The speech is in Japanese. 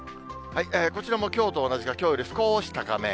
こちらもきょうと同じか、きょうより少し高め。